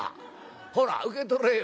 ほら受け取れよ。